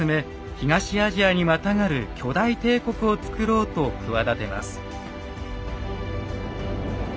東アジアにまたがる巨大帝国をつくろうと企てます。